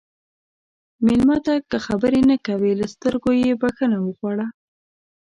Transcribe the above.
مېلمه ته که خبرې نه کوي، له سترګو یې بخښنه وغواړه.